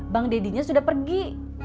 bang deddy nya sudah pergi